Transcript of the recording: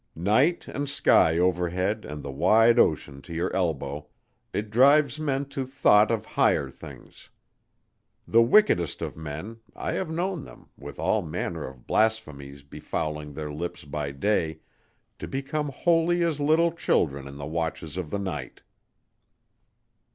Night and sky overhead and the wide ocean to your elbow it drives men to thought of higher things. The wickedest of men I have known them, with all manner of blasphemies befouling their lips by day, to become holy as little children in the watches of the night.